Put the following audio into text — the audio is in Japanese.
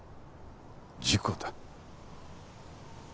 事故だ。